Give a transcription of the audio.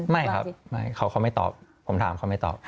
ไม่ครับไม่เขาไม่ตอบผมถามเขาไม่ตอบ